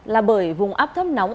là bởi vùng áp thấp nóng